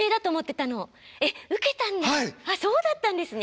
そうだったんですね。